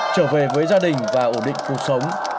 trở về với gia đình và ổn định cuộc sống